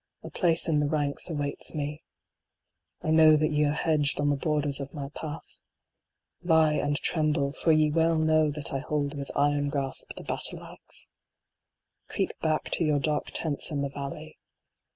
A place in the ranks awaits me. I know that ye are hedged on the borders of my path. Lie and tremble, for ye well know that I hold with iron grasp the battle axe. Creep back to your dark tents in the valley.